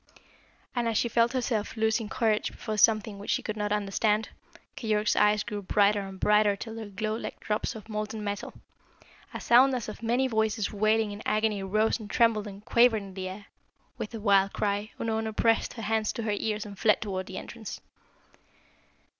And as she felt herself losing courage before something which she could not understand, Keyork's eyes grew brighter and brighter till they glowed like drops of molten metal. A sound as of many voices wailing in agony rose and trembled and quavered in the air. With a wild cry, Unorna pressed her hands to her ears and fled towards the entrance.